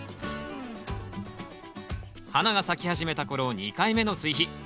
花が咲き始めた頃２回目の追肥。